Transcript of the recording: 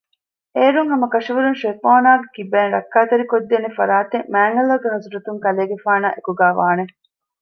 އޭރުން ހަމަކަށަވަރުން ޝައިޠާނާގެ ކިބައިން ރައްކާތެރިކޮށްދޭނެ ފަރާތެއް މާތްﷲގެ ޙަޟްރަތުން ކަލޭގެފާނާއި އެކުގައިވާނެ